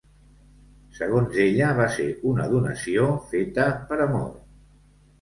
Segons ella, va ser una donació feta ‘per amor’.